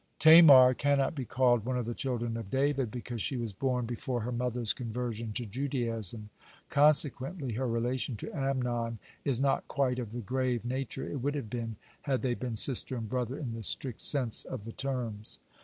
(142) Tamar cannot be called one of the children of David, because she was born before her mother's conversion to Judaism. Consequently, her relation to Amnon is not quite of the grave nature it would have been, had they been sister and brother in the strict sense of the terms.